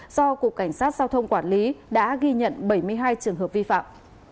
do cục cảnh sát giao thông quản lý đã ghi nhận bảy mươi hai trường hợp vi phạm